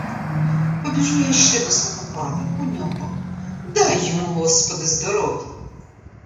Побіжу я ще до свого пана, у нього, — дай йому господи здоров'я!